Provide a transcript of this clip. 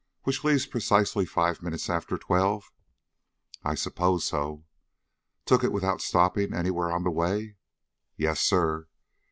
"Which leaves precisely five minutes after twelve?" "I suppose so." "Took it without stopping anywhere on the way?" "Yes, sir."